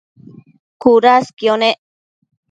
cudasquio nec